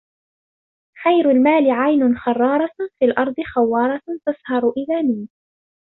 خَيْرُ الْمَالِ عَيْنٌ خَرَّارَةٌ فِي أَرْضٍ خَوَّارَةٍ تَسْهَرُ إذَا نِمْتَ